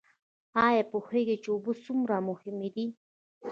ایا پوهیږئ چې اوبه څومره مهمې دي؟